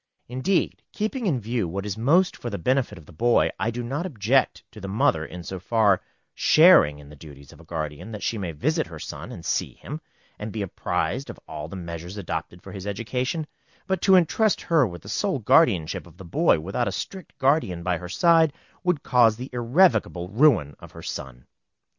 Indeed, keeping in view what is most for the benefit of the boy, I do not object to the mother in so far sharing in the duties of a guardian that she may visit her son, and see him, and be apprised of all the measures adopted for his education; but to intrust her with the sole guardianship of the boy without a strict guardian by her side, would cause the irrevocable ruin of her son.